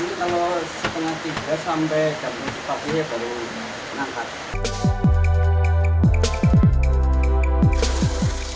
ini kalau setengah tiga sampai kebun sepapinya baru menangkap